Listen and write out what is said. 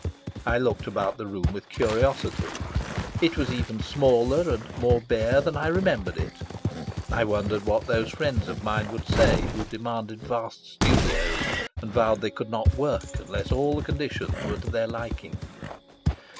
I looked about the room with curiosity. It was even smaller and more bare than I remembered it. I wondered what those friends of mine would say who demanded vast studios, and vowed they could not work unless all the conditions were to their liking.